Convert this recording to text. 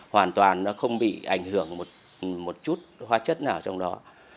hoa chất nào trong đó